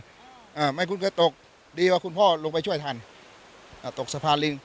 อ่าไม่คุ้นเคยตกดีว่าคุณพ่อลงไปช่วยทันอ่าตกสะพานลิง